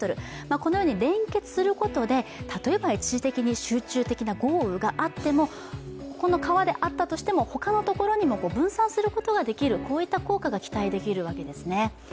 このように連結することで例えば一時的な集中豪雨があっても、ここの川であったとしても、他のところにも分散することができる、こういった効果が期待できるわけですね。